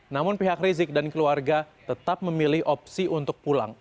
namun pihak rizik dan keluarga tetap memilih opsi untuk pulang